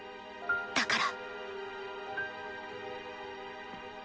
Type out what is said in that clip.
だから